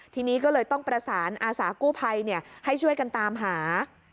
ทีนี้ก็เลยต้องประสานอาสากู้ภัยให้ช่วยกันตามหา